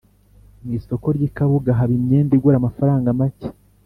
Mu isoko ry’ikabuga haba imyenda igura amafaranga macye